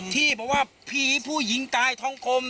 ที่บอกว่าผีผู้หญิงตายท้องกลม